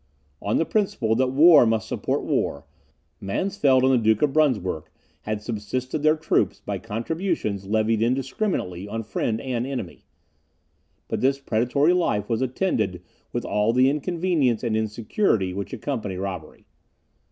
On the principle that war must support war, Mansfeld and the Duke of Brunswick had subsisted their troops by contributions levied indiscriminately on friend and enemy; but this predatory life was attended with all the inconvenience and insecurity which accompany robbery.